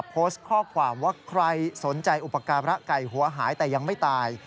โพสต์ข้อความว่าใครสนใจอุปการะไก่หัวหายแต่ยังไม่ตาย